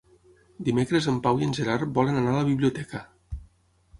Dimecres en Pau i en Gerard volen anar a la biblioteca.